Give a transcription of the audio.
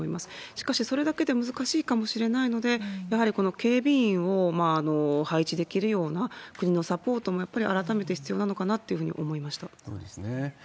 しかし、それだけでは難しいかもしれないので、やはりこの警備員を配置できるような国のサポートもやっぱり改めて必要なのかなとそうですね。